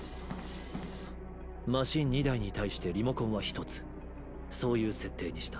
マシン２台に対してリモコンは１つそういう設定にした。